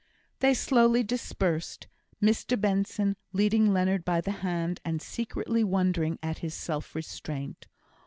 They slowly dispersed; Mr Benson leading Leonard by the hand, and secretly wondering at his self restraint.